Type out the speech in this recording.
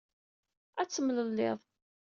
Ad temlellid.